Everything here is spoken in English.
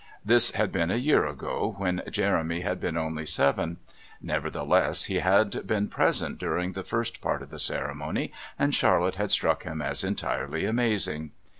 This had been a year ago, when Jeremy had been only seven; nevertheless, he had been present during the first part of the ceremony, and Charlotte had struck him as entirely amazing.